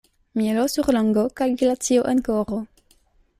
Mielo sur lango, kaj glacio en koro.